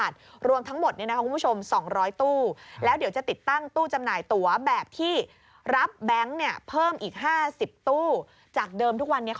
ทุกวันนี้เขามีแค่๓๗ตู้ไง